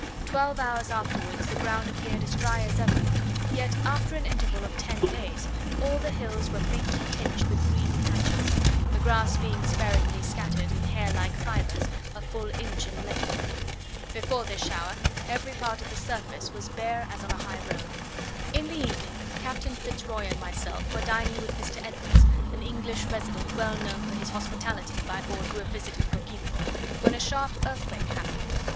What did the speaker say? Twelve hours afterwards the ground appeared as dry as ever; yet after an interval of ten days, all the hills were faintly tinged with green patches; the grass being sparingly scattered in hair like fibres a full inch in length. Before this shower every part of the surface was bare as on a high road. In the evening, Captain Fitz Roy and myself were dining with Mr. Edwards, an English resident well known for his hospitality by all who have visited Coquimbo, when a sharp earthquake happened.